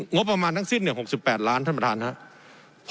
งบประมาณทั้งสิ้น๖๘ล้านท่านประธานครับ